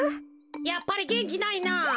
やっぱりげんきないな。